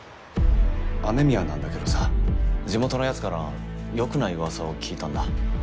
雨宮なんだけどさ地元の奴から良くない噂を聞いたんだ。